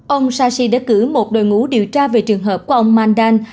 ông sashi đã cử một đội ngũ điều tra về trường hợp của ông mandan